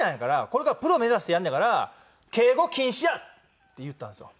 「これからプロ目指してやんねやから敬語禁止や」って言ったんですよ。